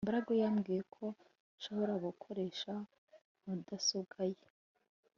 Mbaraga yambwiye ko nshobora gukoresha mudasobwa ye